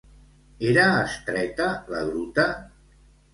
Era estreta la Gruta?